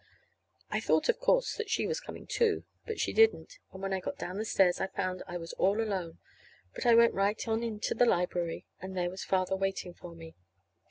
I thought, of course, that she was coming too. But she didn't. And when I got down the stairs I found I was all alone; but I went right on into the library, and there was Father waiting for me.